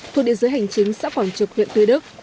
thuộc địa dưới hành chính xã quảng trực huyện tuy đức